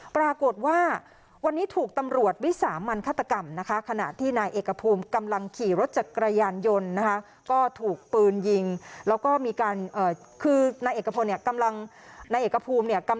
ปรากฏว่าวันนี้ถูกตำรวจวิสามันฆาตกรรมนะคะ